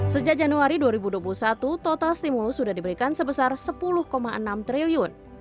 sejak januari dua ribu dua puluh satu total stimulus sudah diberikan sebesar sepuluh enam triliun